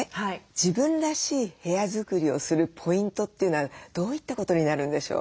自分らしい部屋作りをするポイントというのはどういったことになるんでしょう？